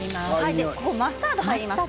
マスタードが入ります。